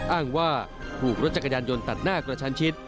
อ้างว่าถูกรถจักรยานยนต์ตัดหน้ากระชันชิด